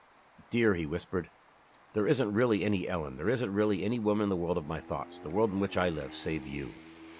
"Dear," he whispered, "there isn't really any Ellen, there isn't really any woman in the world of my thoughts, the world in which I live, save you."